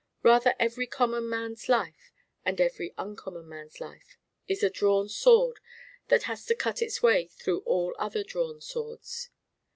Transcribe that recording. Rather every common man's life, and every uncommon man's life, is a drawn sword that has to cut its way through all other drawn swords.